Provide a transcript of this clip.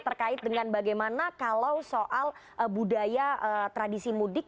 terkait dengan bagaimana kalau soal budaya tradisi mudik